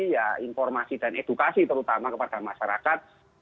ya informasi dan edukasi terutama kepada masyarakat